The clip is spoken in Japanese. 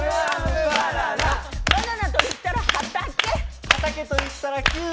バナナといったら畑。